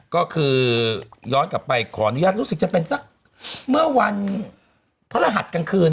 ก็คือย้อนกลับไปขออนุญาตรู้สึกจะเป็นสักเมื่อวันพระรหัสกลางคืน